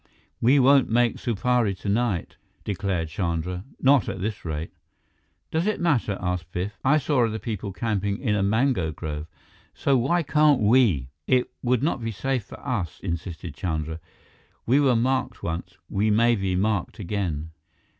"We won't make Supari tonight," declared Chandra. "Not at this rate." "Does it matter?" asked Biff. "I saw other people camping in a mango grove, so why can't we?" "It would not be safe for us," insisted Chandra. "We were marked once; we may be marked again."